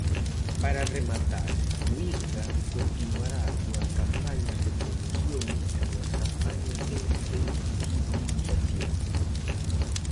Para rematar, o Issga continuará coas campañas de promoción e coas campañas de sensibilización.